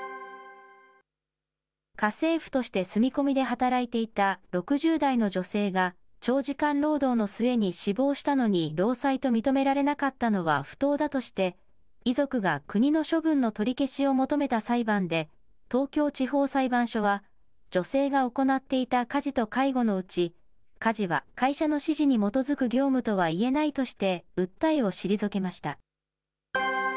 家政婦として住み込みで働いていた、６０代の女性が長時間労働の末に死亡したのに、労災と認められなかったのは、不当だとして、遺族が国の処分の取り消しを求めた裁判で、東京地方裁判所は、女性が行っていた家事と介護のうち、家事は会社の指示に基づく業務とはいえないとして、訴えを退けました。